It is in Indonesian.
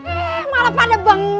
eh malah pada bengong